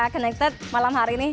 konekted malam hari ini